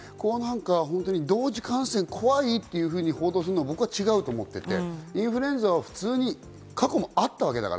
同時感染が怖いと報道するのは僕は違うと思っていて、インフルエンザは普通に過去もあったわけだから。